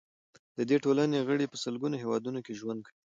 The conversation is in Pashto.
د دې ټولنې غړي په سلګونو هیوادونو کې ژوند کوي.